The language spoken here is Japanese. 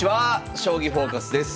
「将棋フォーカス」です。